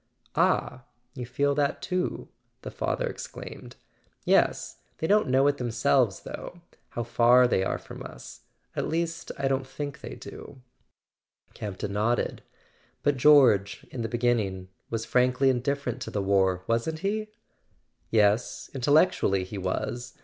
. "Ah, you feel that too?" the father exclaimed. "Yes. They don't know it themselves, though—how far they are from us. At least I don't think they do." [ 390 ] A SON AT THE FRONT Campton nodded. "But George, in the beginning, was—frankly indifferent to the war, wasn't he?" "Yes; intellectually he was.